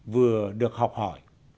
vừa được học hỏi